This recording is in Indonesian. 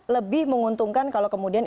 lebih menguntungkan kalau kemudian